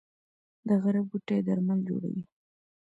د غره بوټي درمل جوړوي